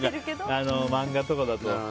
漫画とかだと。